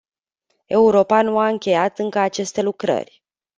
Europa nu a încheiat încă aceste lucrări.